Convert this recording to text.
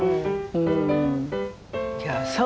うん。